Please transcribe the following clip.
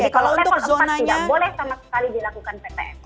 kalau level empat tidak boleh sama sekali dilakukan ptm